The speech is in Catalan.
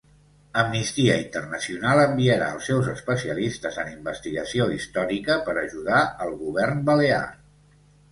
Amnistia Internacional enviarà els seus especialistes en investigació històrica per ajudar al govern balear